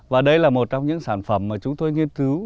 và đây là một trong những sản phẩm mà chúng tôi nghiên cứu